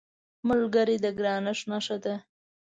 ملګری د ګرانښت نښه ده